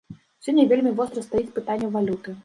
Сёння вельмі востра стаіць пытанне валюты.